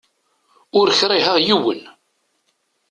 Ur kriheɣ yiwen!